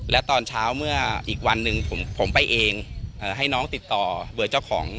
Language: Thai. และตอนเช้าเมื่ออีกวันหนึ่งผมไปเองให้น้องติดต่อเบอร์เจ้าของ